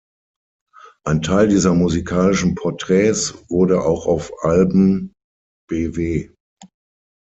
Ein Teil dieser musikalischen Porträts wurde auch auf Alben bw.